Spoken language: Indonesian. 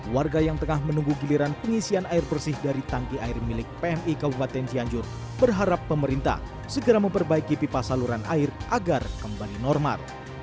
warga yang tengah menunggu giliran pengisian air bersih dari tangki air milik pmi kabupaten cianjur berharap pemerintah segera memperbaiki pipa saluran air agar kembali normal